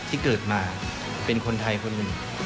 ที่เกิดมาเป็นคนไทยคนหนึ่ง